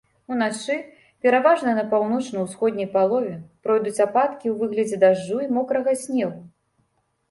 Уначы пераважна на паўночна-ўсходняй палове пройдуць ападкі ў выглядзе дажджу і мокрага снегу.